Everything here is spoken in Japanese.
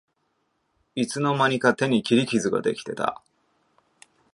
いつの間にか手に切り傷ができてた